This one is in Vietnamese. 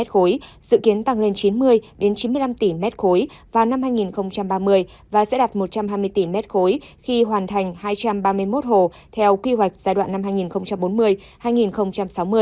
dự kiến tăng lên chín mươi chín mươi năm tỷ m ba vào năm hai nghìn ba mươi và sẽ đạt một trăm hai mươi tỷ m ba khi hoàn thành hai trăm ba mươi một hồ theo quy hoạch giai đoạn năm hai nghìn bốn mươi hai nghìn sáu mươi